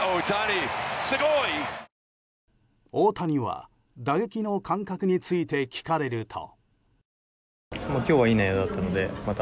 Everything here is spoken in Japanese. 大谷は打撃の感覚について聞かれると。